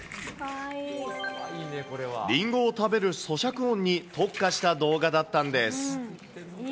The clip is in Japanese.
りんごを食べるそしゃく音に特化した動画だったんです。